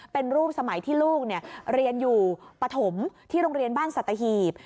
เป็นรูปสมัยที่ลูกเรียนอยู่ปฐมที่โรงเรียนบ้านสัตหีบ